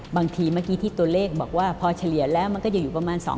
บางทีเมื่อกี้ที่ตัวเลขบอกว่าพอเฉลี่ยแล้วมันก็จะอยู่ประมาณ๒๐๐